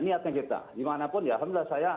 niatnya kita dimanapun ya alhamdulillah saya